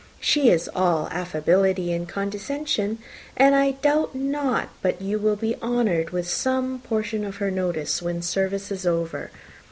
She is all affability and condescension, and I doubt not but you will be honoured with some portion of her notice when service is over.